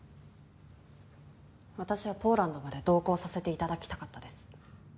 私はポーランドまで同行させて頂きたかったです。